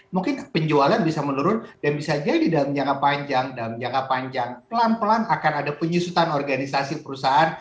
mungkin penjualan bisa menurun dan bisa jadi dalam jangka panjang dalam jangka panjang pelan pelan akan ada penyusutan organisasi perusahaan